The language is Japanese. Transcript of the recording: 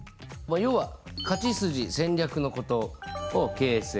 要は勝ち筋戦略のことをＫＳＦ。